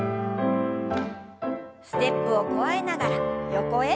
ステップを加えながら横へ。